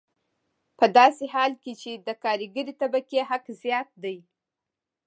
په داسې حال کې چې د کارګرې طبقې حق زیات دی